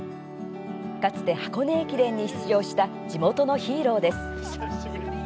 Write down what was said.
かつて箱根駅伝に出場した地元のヒーローです。